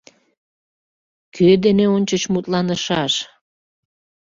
Кӧ дене ончыч мутланышаш?